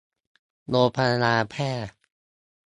โรงพยาบาลแพร่